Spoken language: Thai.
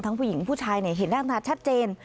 ผู้หญิงผู้ชายเห็นหน้าตาชัดเจน